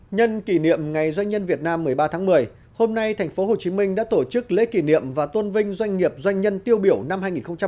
nhân kỷ niệm ngày doanh nhân việt nam một mươi ba tháng một mươi hôm nay thành phố hồ chí minh đã tổ chức lễ kỷ niệm và tôn vinh doanh nghiệp doanh nhân tiêu biểu năm hai nghìn một mươi sáu